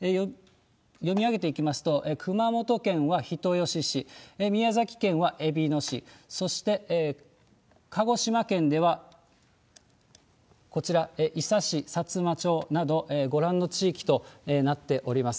読み上げていきますと、熊本県は人吉市、宮崎県はえびの市、そして鹿児島県ではこちら、伊佐市、さつま町など、ご覧の地域となっております。